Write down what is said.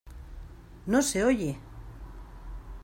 ¡No se oye!